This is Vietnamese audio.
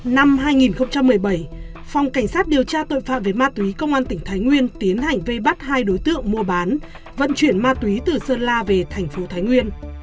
năm hai nghìn một mươi bảy phòng cảnh sát điều tra tội phạm về ma túy công an tỉnh thái nguyên tiến hành vây bắt hai đối tượng mua bán vận chuyển ma túy từ sơn la về thành phố thái nguyên